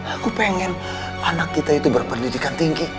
aku pengen anak kita itu berpendidikan tinggi